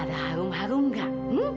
ada harum harum gak